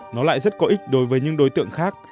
nó lại rất có ích đối với những đối tượng khác